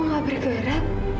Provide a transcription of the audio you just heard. papa diam ya